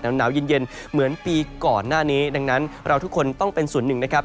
หนาวเย็นเหมือนปีก่อนหน้านี้ดังนั้นเราทุกคนต้องเป็นส่วนหนึ่งนะครับ